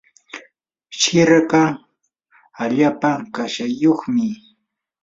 shiraka allaapa kashayuqmi.